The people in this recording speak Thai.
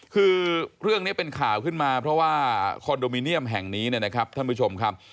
คือเรื่องนี้เป็นข่าวขึ้นมาเพราะว่าคอนโดมิเนียมแห่งนี้เนี่ยนะครับท่านผู้ชมครับ